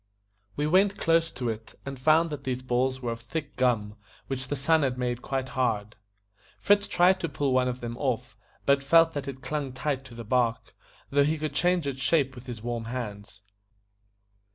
We went close to it, and found that these balls were of thick gum, which the sun had made quite hard. Fritz tried to pull one of them off, but felt that it clung tight to the bark, though he could change its shape with his warm hands.